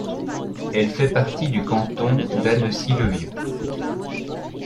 Elle fait partie du canton d'Annecy-le-Vieux.